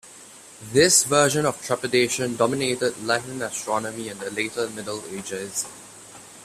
This version of trepidation dominated Latin astronomy in the later Middle Ages.